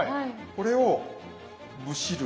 これをむしる。